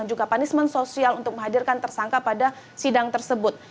juga punishment sosial untuk menghadirkan tersangka pada sidang tersebut